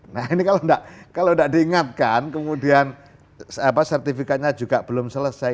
nah ini kalau tidak diingatkan kemudian sertifikatnya juga belum selesai